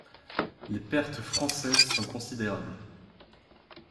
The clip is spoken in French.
Les pertes françaises sont considérables.